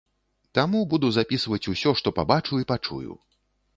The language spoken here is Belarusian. Таму буду запісваць усё, што пабачу і пачую.